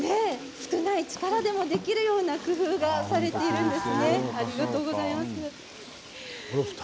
少ない力でもできるように工夫がされているんです。